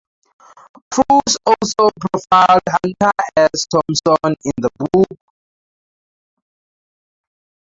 Crouse also profiled Hunter S. Thompson in the book.